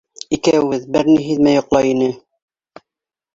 Икәүебеҙ бер ни һиҙмәй йоҡлай ине.